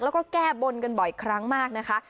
แล้วก็แก้บนกันบ่อยครั้งมากนะคะ